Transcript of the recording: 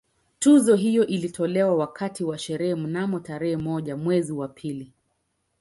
Tuzo hiyo ilitolewa wakati wa sherehe mnamo tarehe moja mwezi wa pili